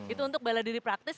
itu untuk bela diri praktis